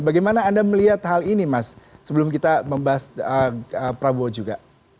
bagaimana anda melihat hal ini mas sebelum kita membahas prabowo juga